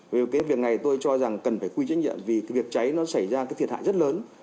vì cái việc này tôi cho rằng cần phải quy trách nhiệm vì cái việc cháy nó xảy ra cái thiệt hại rất lớn